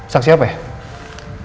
saksi apa ya